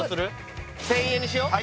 １０００円にしよう